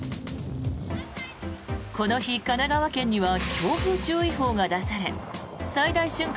この日、神奈川県には強風注意報が出され最大瞬間